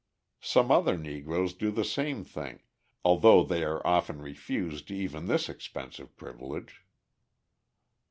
Some other Negroes do the same thing, although they are often refused even this expensive privilege.